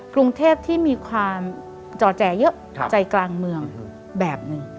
กรุงเทพที่มีความจ่อแจเยอะใจกลางเมืองแบบหนึ่ง